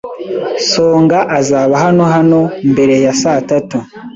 Songa azaba hano hano mbere ya saa tatu.